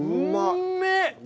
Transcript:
うめえ！